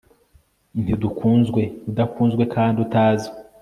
ntidukunzwe, udakunzwe kandi utazwi